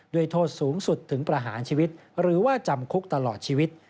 โทษสูงสุดถึงประหารชีวิตหรือว่าจำคุกตลอดชีวิต